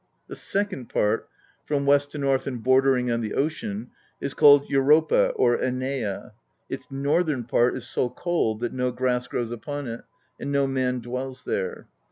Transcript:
The sec ond part, from west to north and bordering on the ocean, is called Europa or Enea; its northern part is so cold that no grass grows upon it, and no man dwells there.